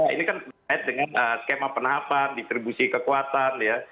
ini kan berkait dengan skema penahapan distribusi kekuatan